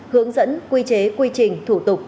hướng dẫn quy chế quy trình thủ tục